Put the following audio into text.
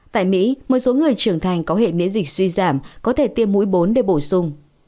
tại mỹ một số người trưởng thành có hệ miễn dịch suy giảm có thể tiêm mũi bốn để bổ sung